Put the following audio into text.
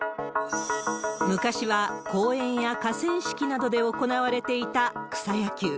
昔は公園や河川敷などで行われていた草野球。